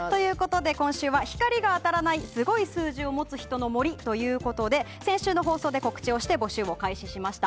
今週は光が当たらないスゴイ数字を持つ人の森ということで先週の放送で告知をして募集を開始しました。